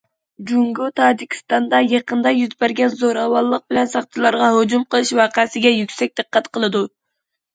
جۇڭگو تاجىكىستاندا يېقىندا يۈز بەرگەن زوراۋانلىق بىلەن ساقچىلارغا ھۇجۇم قىلىش ۋەقەسىگە يۈكسەك دىققەت قىلىدۇ.